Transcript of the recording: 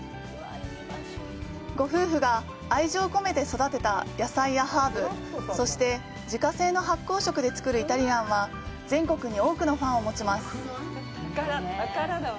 ご夫婦が愛情込めて育てた野菜やハーブ、そして、自家製の発酵食で作るイタリアンは全国に多くのファンを持ちます。